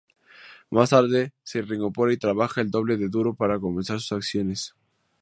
Más tarde se reincorpora y trabaja el doble de duro para compensar sus acciones.